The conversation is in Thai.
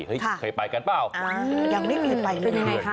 เคยไปกันเปล่าอย่างนิดนึงไปกันไงคะ